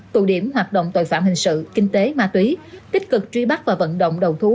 tụ điểm hoạt động tội phạm hình sự kinh tế ma túy tích cực truy bắt và vận động đầu thú